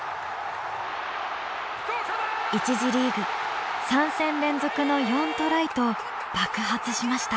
１次リーグ３戦連続の４トライと爆発しました。